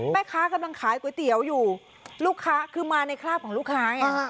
แม่ค้ากำลังขายก๋วยเตี๋ยวอยู่ลูกค้าคือมาในคราบของลูกค้าไง